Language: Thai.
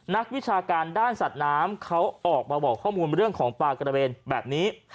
วิชาการด้านสัตว์น้ำเขาออกมาบอกข้อมูลเรื่องของปลากระเวนแบบนี้